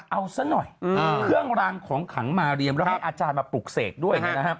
เอาซะหน่อยเครื่องรางของขังมาเรียมแล้วให้อาจารย์มาปลูกเสกด้วย